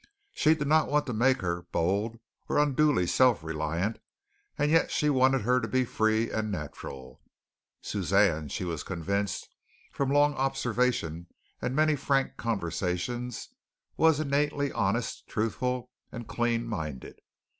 She did not want to make her bold or unduly self reliant, and yet she wanted her to be free and natural. Suzanne, she was convinced, from long observation and many frank conversations, was innately honest, truthful and clean minded.